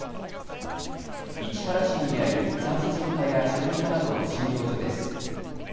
市原市にある産婦人科や小児科などの診療所です。